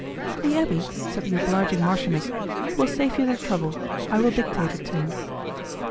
"The abbé," said the obliging marchioness, "will save you the trouble: I will dictate it to him."